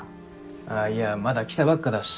あっいやまだ来たばっかだし。